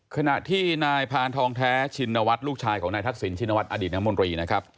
ขณะที่นายพานทองแท้ชินวัฒน์ลูกชายของนายทักษิณชินวัฒนอดีตน้ำมนตรีนะครับ